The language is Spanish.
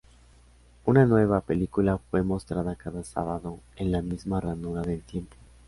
Una nueva película fue mostrada cada sábado en la misma ranura de tiempo.